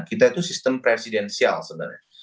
kita itu sistem presidensial sebenarnya